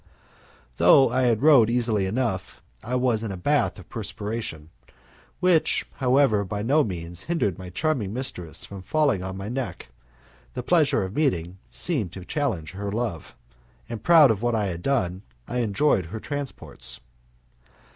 Though I had rowed easily enough, I was in a bath of perspiration, which, however, by no means hindered my charming mistress from falling on my neck; the pleasure of meeting seemed to challenge her love, and, proud of what I had done, I enjoyed her transports.